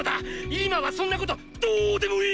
今はそんなことどうでもいい！